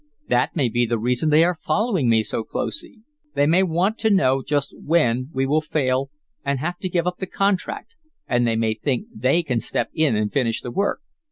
"That may be the reason they are following me so closely. They may want to know just when we will fail, and have to give up the contract, and they may think they can step in and finish the work.